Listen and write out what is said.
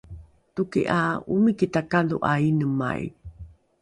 toki ’a omiki takadho’a inemai